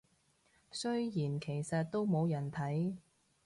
雖然其實都冇人睇